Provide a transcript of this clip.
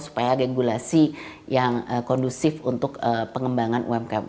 supaya regulasi yang kondusif untuk pengembangan umkm